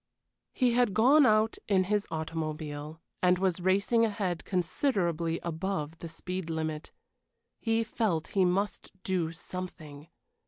He had gone out in his automobile, and was racing ahead considerably above the speed limit. He felt he must do something.